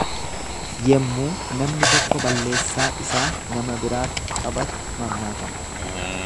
Yemmuu namni tokko balleessaa isaa nama biraatti qabatu mammaakama.